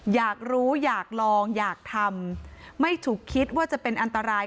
อยากรู้อยากลองอยากทำไม่ฉุกคิดว่าจะเป็นอันตราย